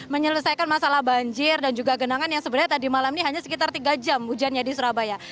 menyelesaikan masalah banjir dan juga genangan yang sebenarnya tadi malam ini hanya sekitar tiga jam hujannya di surabaya